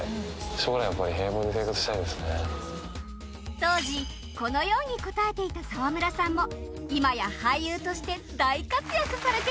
当時このように答えていた沢村さんも今や俳優として大活躍されています